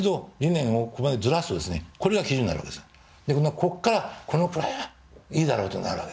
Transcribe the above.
こっからこのくらいはいいだろうとなるわけ。